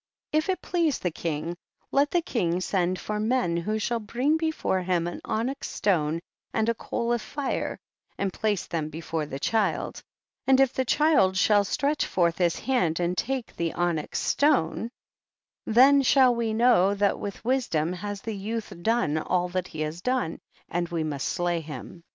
25. If it please the king let the king send for vien who shall bring before him an onyx stone and a coal of fire, and place them before the child, and if the child shall stretch forth his hand and take the onyx stone, then shall we know that with wisdom has the youth done all that he has done, and we must slay him.